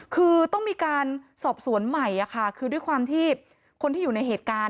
คือต้องมีการสอบสวนใหม่ค่ะคือด้วยความที่คนที่อยู่ในเหตุการณ์